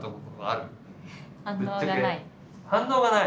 反応がない？